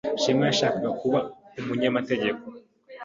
Shema yashakaga kuba umunyamategeko.